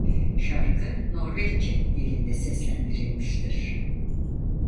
Şarkı Norveççe dilinde seslendirilmiştir.